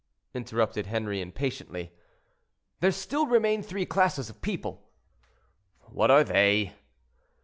interrupted Henri, impatiently. "There still remain three classes of people." "What are they?"